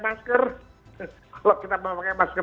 masker kalau kita memakai masker